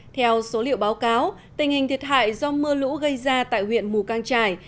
theo số liệu báo cáo tình hình thiệt hại do mưa lũ gây ra tại huyện mù căng trải